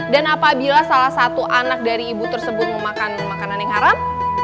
apabila salah satu anak dari ibu tersebut memakan makanan yang haram